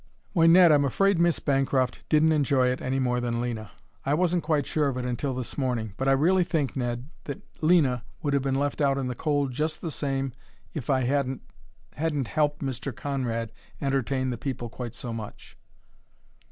"Why, Ned, I'm afraid Miss Bancroft didn't enjoy it any more than Lena. I wasn't quite sure of it until this morning; but I really think, Ned, that Lena would have been left out in the cold just the same if I hadn't hadn't helped Mr. Conrad entertain the people quite so much."